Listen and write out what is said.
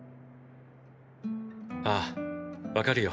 ああわかるよ。